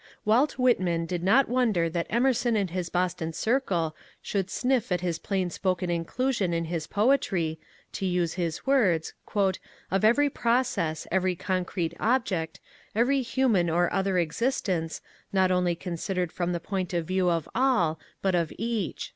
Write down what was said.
Walt Whitman did not wonder that Emerson and his Bos ton circle should sniff at his plain spoken inclusion in his poetry, to use his words, " of every process, every concrete object, every human or other existence, not only considered from the point of view of all, but of each."